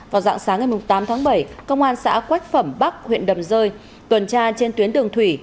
vào dạng sáng ngày tám tháng bảy công an xã quách phẩm bắc huyện đầm rơi tuần tra trên tuyến đường thủy